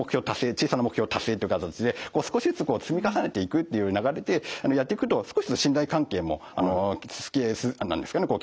小さな目標達成っていう形で少しずつ積み重ねていくっていう流れでやっていくと少しずつ信頼関係も形成されてきたりとかするんですね。